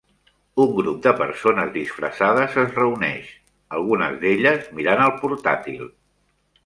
Un grup de persones disfressades es reuneix, algunes d'elles mirant el portàtil.